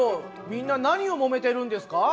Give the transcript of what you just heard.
みんな何をもめてるんですか？